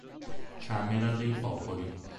Camera dei Popoli